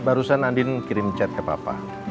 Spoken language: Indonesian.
barusan andin kirim chat ke bapak